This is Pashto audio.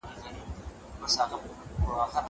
زه پرون کالي وچوم وم!!